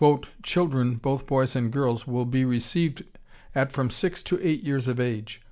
"Children (both boys and girls) will be received at from six to eight years of age.